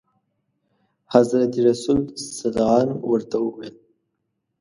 حضرت رسول صلعم ورته وویل.